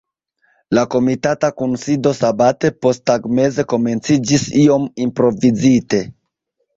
La komitata kunsido sabate posttagmeze komenciĝis iom improvizite.